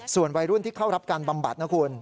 ส่วนวัยรุ่นที่เข้ารับการบำบัดนะคุณ